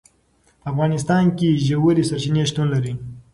په افغانستان کې ژورې سرچینې شتون لري.